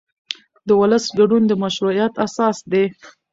د ولس ګډون د مشروعیت اساس دی